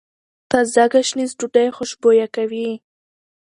تازه ګشنیز ډوډۍ خوشبويه کوي.